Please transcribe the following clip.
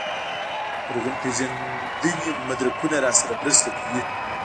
لرغونپېژندنې مدرکونه راسره مرسته کوي.